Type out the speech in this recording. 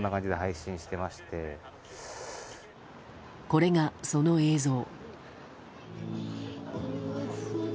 これが、その映像。